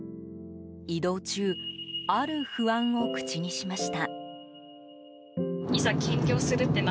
移動中ある不安を口にしました。